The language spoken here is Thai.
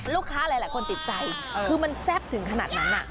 ลูกค้าหลายคนติดใจคือมันแซ่บถึงขนาดนั้น